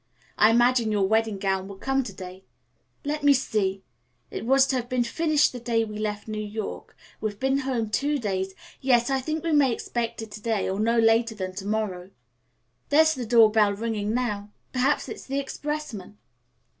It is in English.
I imagine your wedding gown will come to day. Let me see. It was to have been finished the day we left New York. We've been home two days. Yes, I think we may expect it to day, or not later than to morrow. There's the doorbell ringing now. Perhaps it's the expressman."